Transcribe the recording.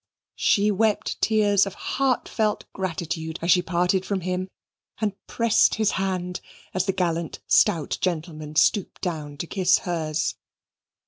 She wept tears of heart felt gratitude as she parted from him, and pressed his hand as the gallant stout gentleman stooped down to kiss hers.